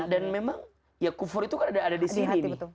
dan memang ya kupur itu kan ada di sini nih